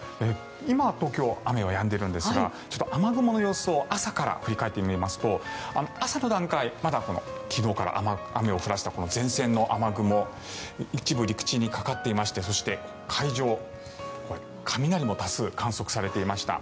今、東京雨はやんでいるんですが雨雲の様子を朝から振り返ってみますと朝の段階、昨日から雨を降らしたこの前線の雨雲一部、陸地にかかっていましてそして、海上雷も多数観測されていました。